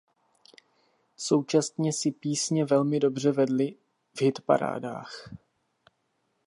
Současně si písně velmi dobře vedly v hitparádách.